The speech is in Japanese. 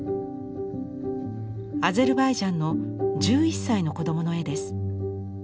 アゼルバイジャンの１１歳の子どもの絵です。